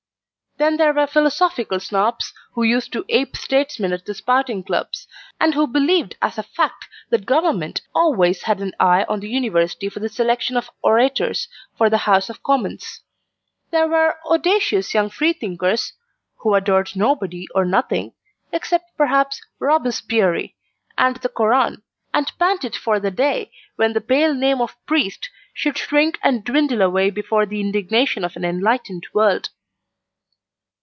Then there were Philosophical Snobs, who used to ape statesmen at the spouting clubs, and who believed as a fact that Government always had an eye on the University for the selection of orators for the House of Commons. There were audacious young free thinkers, who adored nobody or nothing, except perhaps Robespierre and the Koran, and panted for the day when the pale name of priest should shrink and dwindle away before the indignation of an enlightened world.